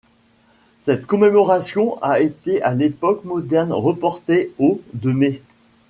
Cette commémoration a été à l'époque moderne reportée au de mai.